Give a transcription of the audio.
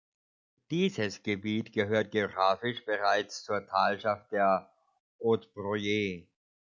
Dieses Gebiet gehört geographisch bereits zur Talschaft der Haute-Broye.